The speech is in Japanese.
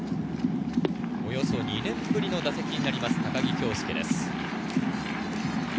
およそ２年ぶりの打席になります高木京介。